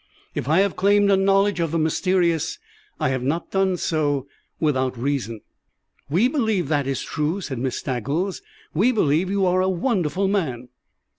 If I have claimed a knowledge of the mysterious, I have not done so without reason." "We believe that is true," said Miss Staggles; "we believe you are a wonderful man."